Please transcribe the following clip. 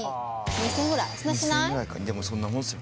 ２０００円ぐらいかそんなもんですよ